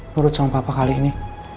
nurut sama papa kali ini